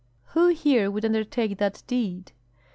"Who here would undertake that deed?"